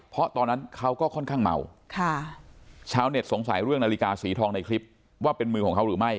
เพราะตอนนั้นเขาก็ค่อนข้างเมาชาวเน็ตสงสัยเรื่องนาฬิกาสีทองในคลิปว่าเป็นมือของเขาหรือไม่